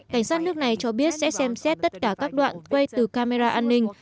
cảnh sát nước này cho biết sẽ xem xét tất cả các đoạn quay từ camera an ninh